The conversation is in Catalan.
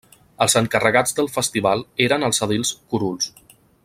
Els encarregats del festival eren els edils curuls.